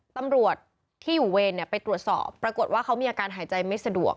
ตำรวจที่อยู่เวรไปตรวจสอบปรากฏว่าเขามีอาการหายใจไม่สะดวก